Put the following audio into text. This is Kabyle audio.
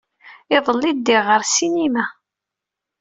Iḍelli, ddiɣ ɣer ssinima.